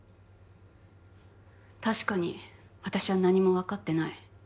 確かに私は何もわかってない。